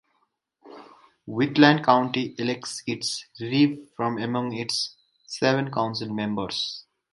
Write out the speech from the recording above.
Wheatland County elects its reeve from among its seven council members.